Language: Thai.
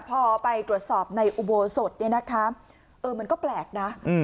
พอไปตรวจสอบในอุโบสถเนี่ยนะคะเออมันก็แปลกนะ